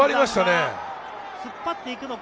つっぱっていくのか？